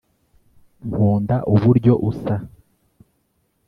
nkunda uburyo usa